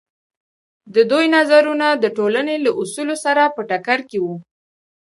د دوی نظرونه د ټولنې له اصولو سره په ټکر کې وو.